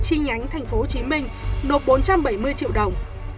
chi nhánh thành phố hồ chí minh nộp bốn trăm bảy mươi triệu đồng